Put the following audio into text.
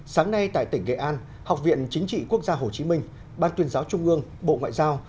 sáng nay tại tỉnh nghệ an học viện chính trị quốc gia hồ chí minh ban tuyên giáo trung ương bộ ngoại giao